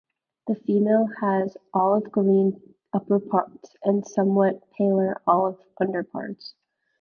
The female has olive-green upperparts, and somewhat paler olive underparts.